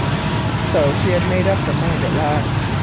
So she made up her mind at last.